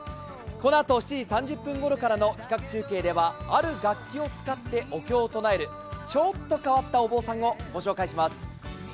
このあと７時３０分ごろからの企画中継では、ある楽器を使ってお経を唱えるちょっと変わったお坊さんをご紹介します。